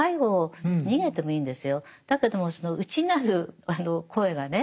だけどもその内なる声がね